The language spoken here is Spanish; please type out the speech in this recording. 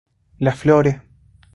Las Flores.